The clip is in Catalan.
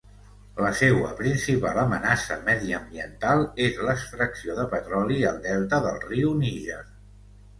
La seua principal amenaça mediambiental és l'extracció de petroli al delta del riu Níger.